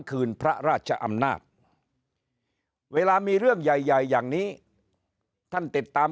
คืนพระราชอำนาจเวลามีเรื่องใหญ่ใหญ่อย่างนี้ท่านติดตาม